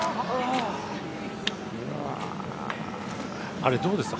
あれ、どうですか？